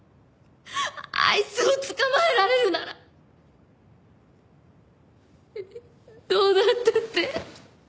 あいつを捕まえられるならどうなったって。